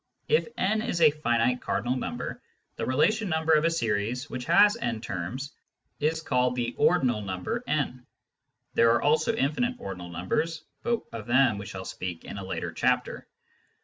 If n is a finite cardinal number, the relation number of a series which has n terms is called the " ordinal " number n. (There are also infinite ordinal numbers, but of them we shall speak in a later chapter.)